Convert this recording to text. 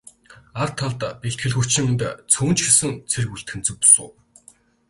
Ар талд бэлтгэл хүчинд цөөн ч гэсэн цэрэг үлдээх нь зөв бус уу?